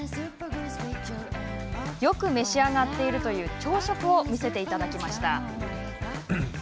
よく召し上がっているという朝食を見せていただきました。